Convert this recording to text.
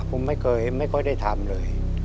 ผมไม่เคยไม่ค่อยได้ทำเลย